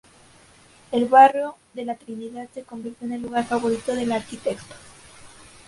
El barrio de la Trinidad se convirtió en el lugar favorito del arquitecto.